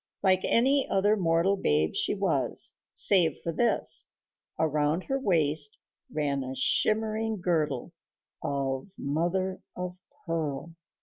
Like any other mortal babe she was, save for this: around her waist ran a shimmering girdle of mother of pearl.